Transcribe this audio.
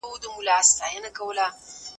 هم له کلیو هم له ښار دعوې راتللې